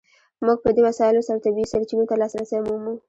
موږ په دې وسایلو سره طبیعي سرچینو ته لاسرسی مومو.